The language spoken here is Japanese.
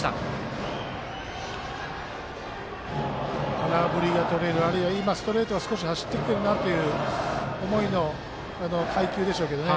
空振りがとれるあるいはストレートが少し走ってきてるなという思いの配球でしょうけどね。